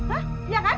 hah iya kan